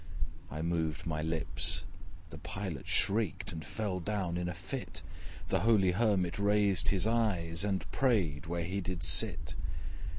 I moved my lips the Pilot shrieked And fell down in a fit; The holy Hermit raised his eyes, And prayed where he did sit.